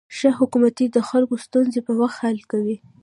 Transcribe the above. ښه حکومتولي د خلکو ستونزې په وخت حل کوي.